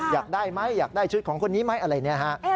อยากได้ไหมอยากได้ชุดของคนนี้ไหมอะไรเนี่ยฮะ